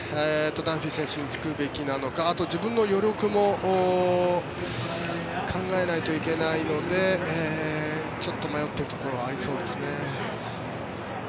ダンフィー選手につくべきなのかあと自分の余力も考えないといけないのでちょっと迷っているところはありそうですね。